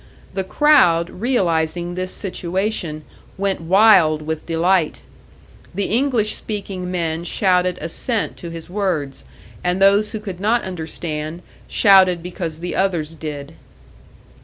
The crowd, realising this situation, went wild with delight. The English speaking men shouted assent to his words; and those who could not understand, shouted because the others did.